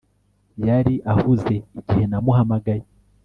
Yari ahuze igihe namuhamagaye